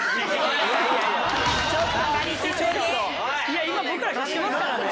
いや今僕ら勝ってますからね。